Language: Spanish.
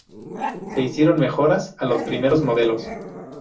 Se hicieron mejoras a los primeros modelos.